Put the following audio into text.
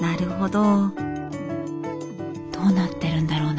どうなってるんだろう？